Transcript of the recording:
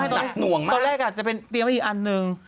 หนักหน่วงมากตอนแรกอาจจะเป็นเตรียมไว้อีกอันนึง